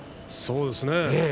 そうですね。